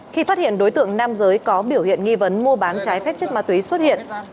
khi phát hiện đối tượng nam giới có biểu hiện nghi vấn mua bán trái phép chất ma túy xuất hiện